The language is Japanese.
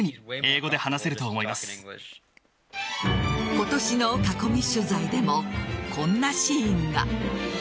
今年の囲み取材でもこんなシーンが。